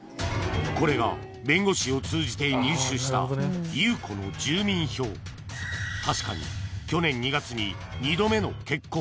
これが弁護士を通じて入手したＵ子の住民票確かに去年２月に２度目の結婚